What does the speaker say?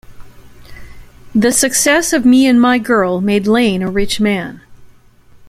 The success of "Me and My Girl" made Lane a rich man.